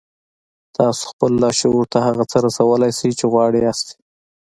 تاسې خپل لاشعور ته هغه څه رسولای شئ چې غواړئ يې.